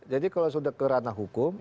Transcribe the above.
jadi kalau sudah ke ranah hukum